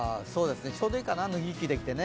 ちょうどいいかな、脱ぎ着できてね。